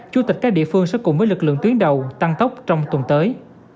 chủ tịch các địa phương sẽ cùng với lực lượng tuyến đầu tăng tốc trong tuần tới